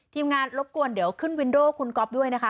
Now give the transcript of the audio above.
ทีมงานรบกวนเดี๋ยวขึ้นวินโดคุณก๊อฟด้วยนะคะ